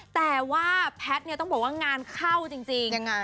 แต่ว่าแพทต้องบอกว่างานเข้าจริง